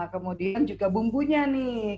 kemudian juga bumbunya nih